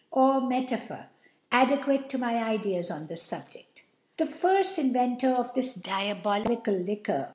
or Meuphor, adequate to my Ideas on this ..Subj^. The firft Inventcr of this diaboli ^caliLiquor.